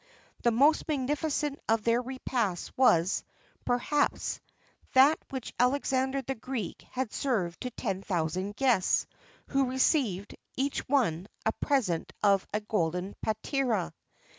[XXX 36] The most magnificent of their repasts was, perhaps, that which Alexander the Great had served to ten thousand guests, who received, each one, a present of a golden patera.